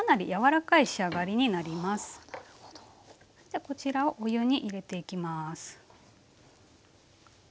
じゃこちらをお湯に入れていきます。